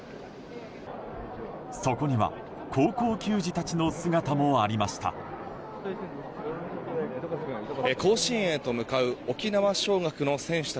そこには、高校球児たちの姿もありました。